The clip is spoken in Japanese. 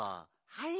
はい。